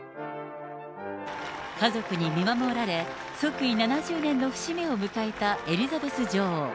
家族に見守られ、即位７０年の節目を迎えたエリザベス女王。